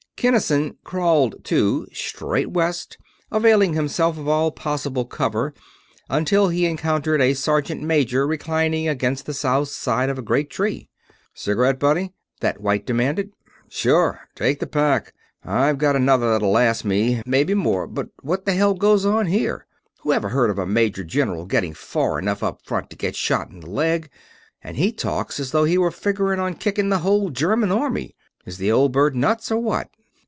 Kinnison crawled, too, straight west, availing himself of all possible cover, until he encountered a sergeant major reclining against the south side of a great tree. "Cigarette, buddy?" that wight demanded. "Sure. Take the pack. I've got another that'll last me maybe more. But what the hell goes on here? Who ever heard of a major general getting far enough up front to get shot in the leg, and he talks as though he were figuring on licking the whole German army. Is the old bird nuts, or what?"